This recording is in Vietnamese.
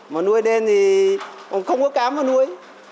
mà nuôi lên thì không có cám mà nuôi